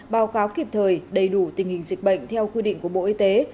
báo cáo kịp thời đầy đủ tình hình dịch bệnh theo quy định của bộ y tế